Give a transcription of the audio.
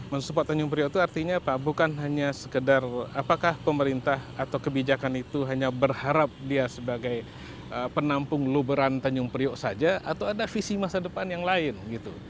mensupport tanjung priok itu artinya apa bukan hanya sekedar apakah pemerintah atau kebijakan itu hanya berharap dia sebagai penampung luberan tanjung priok saja atau ada visi masa depan yang lain gitu